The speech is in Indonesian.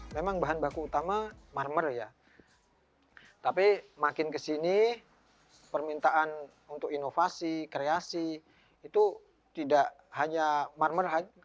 memang bahan baku utama marmer ya tapi makin kesini permintaan untuk inovasi kreasi itu tidak hanya marmer